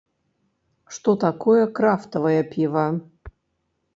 Што такое крафтавае піва?